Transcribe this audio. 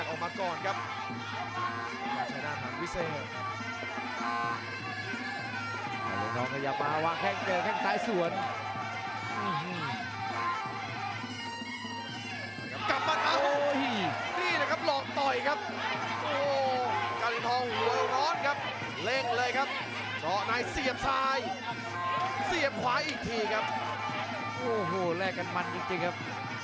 โอ้โหแลกกันมันจริงครับ